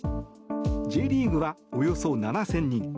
Ｊリーグは、およそ７０００人。